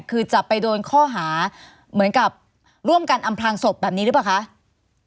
คือจะไปโดนข้อหาเหมือนกับร่วมกันอำพลางศพแบบนี้หรือเปล่าคะ